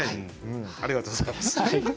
ありがとうございます。